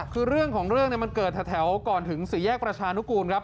คือเรื่องของเรื่องมันเกิดแถวก่อนถึงสี่แยกประชานุกูลครับ